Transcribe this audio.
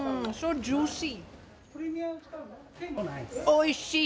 おいしい。